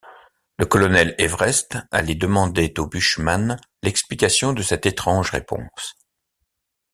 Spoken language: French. Le colonel Everest allait demander au bushman l’explication de cette étrange réponse.